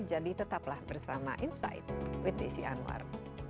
jadi tetaplah bersama insight with desy anwar